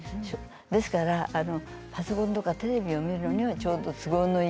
ですからパソコンとかテレビを見るのにはちょうど都合のいい。